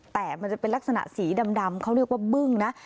แต่มันจะเป็นลักษณะสีดำเขาเรียกว่าบึ้งนะ